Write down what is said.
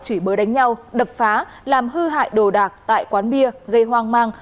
chửi bớ đánh nhau đập phá làm hư hại đồ đạc tại quán bia gây hoang mang